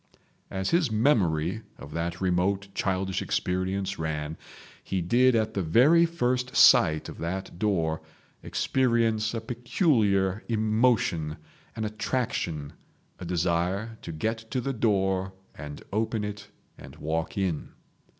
As his memory of that remote childish experience ran, he did at the very first sight of that door experience a peculiar emotion, an attraction, a desire to get to the door and open it and walk in.